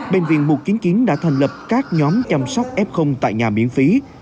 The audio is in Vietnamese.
bệnh viện mục kiến kiến đã thành lập các nhóm chăm sóc f tại nhà miễn phí